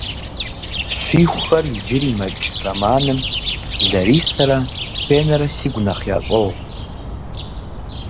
«Щихуэхэр иджыри мэкӏ» романым, Ларисэрэ, Фенэрэ сигу нэхъ ящӏогъу.